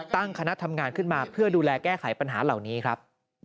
ตั้งคณะทำงานขึ้นมาเพื่อดูแลแก้ไขปัญหาเหล่านี้ครับ